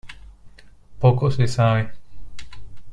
Poco se sabe.